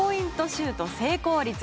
シュート成功率。